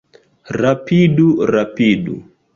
Rapidu, rapidu!